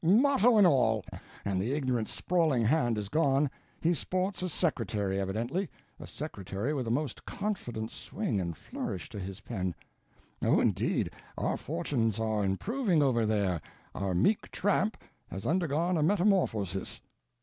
—motto and all. And the ignorant, sprawling hand is gone; he sports a secretary, evidently—a secretary with a most confident swing and flourish to his pen. Oh indeed, our fortunes are improving over there—our meek tramp has undergone a metamorphosis."